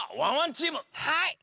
はい！